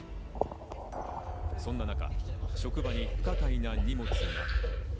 そんな中、職場に不可解な荷物が。